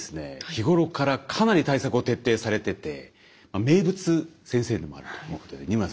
日ごろからかなり対策を徹底されてて名物先生でもあると仁村さん